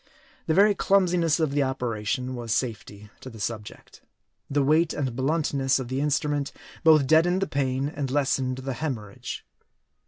The very clumsiness of the operation was safety to the subject. The weight and bluntness of the instrument both deadened the pain and lessened the hemorrhage.